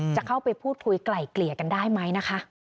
จะเข้าไปพูดคุยไกล่เกลี่ยกันได้ไหมนะคะ